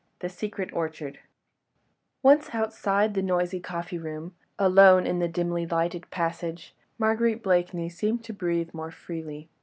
THE SECRET ORCHARD Once outside the noisy coffee room, alone in the dimly lighted passage, Marguerite Blakeney seemed to breathe more freely.